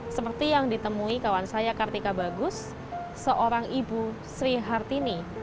seperti yang ditemui kawan saya kartika bagus seorang ibu sri hartini